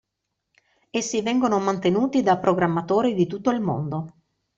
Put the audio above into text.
Essi vengono mantenuti da programmatori di tutto il mondo.